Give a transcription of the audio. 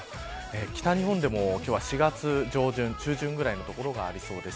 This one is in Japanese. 北日本でも今日は４月上旬、中旬ぐらいの所がありそうです。